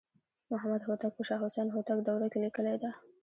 محمدهوتک په شاه حسین هوتک دوره کې لیکلې ده.